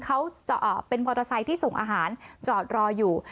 เขาเป็นมอเตอร์ไซค์ที่ส่งอาหารจอดรออยู่